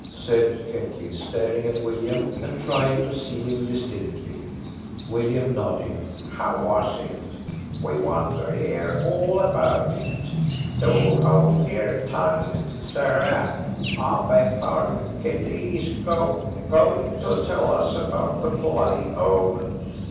said Ketley, staring at William and trying to see him distinctly. William nodded. "How was it? We want to 'ear all about it. Do hold yer tongue, Sarah. I beg pardon, Ketley is go going to tell us about the bloody omen.